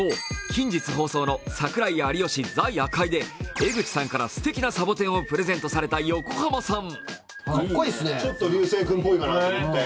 近日放送の「櫻井・有吉ＴＨＥ夜会」で、江口さんからすてきなサボテンをプレゼントされた横浜さん。